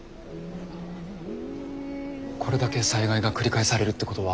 これだけ災害が繰り返されるってことは。